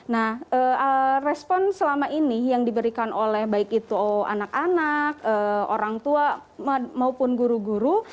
nah respon selama ini yang diberikan oleh baik itu anak anak orang tua maupun guru guru